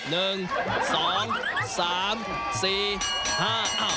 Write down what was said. หนึ่งสองสามสี่ห้า